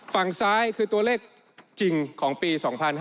ฝั่งซ้ายคือตัวเลขจริงของปี๒๕๕๙